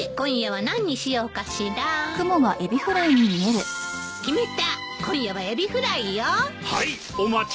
はいお待ち。